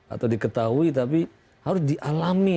atau diketahui tapi harus dialami